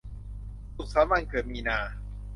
สุขสันต์วันเกิดมีนา